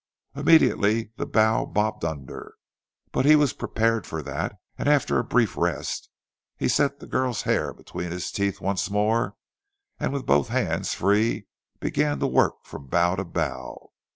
Immediately the bough bobbed under, but he was prepared for that, and after a brief rest, he set the girl's hair between his teeth once more, and with both hands free began to work from bough to bough.